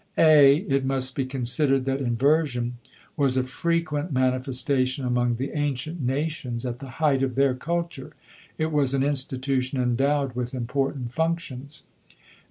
(a) It must be considered that inversion was a frequent manifestation among the ancient nations at the height of their culture. It was an institution endowed with important functions.